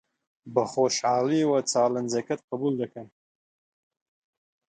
بەخۆشحاڵییەوە چالێنجەکەت قبوڵ دەکەم.